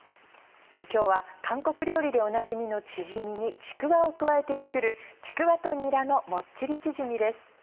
今日は韓国料理でおなじみのチヂミにちくわを加えて作る「ちくわとにらのもっちりチヂミ」です。